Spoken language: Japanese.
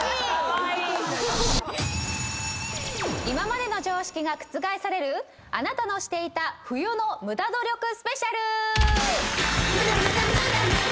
今までの常識が覆される⁉あなたのしていた冬のムダ努力ＳＰ！